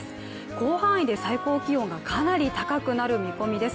広範囲で最高気温がかなり高くなる見込みです。